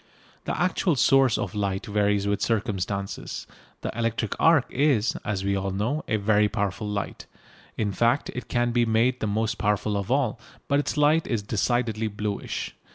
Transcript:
The actual source of light varies with circumstances. The electric arc is, as we all know, a very powerful light, in fact it can be made the most powerful of all, but its light is decidedly bluish.